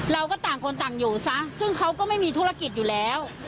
เราก็ต่างคนต่างอยู่ซะซึ่งเขาก็ไม่มีธุรกิจอยู่แล้ว